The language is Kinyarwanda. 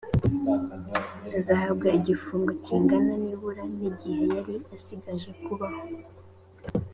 azahabwa igifungo kingana nibura n igihe yari asigaje kubaho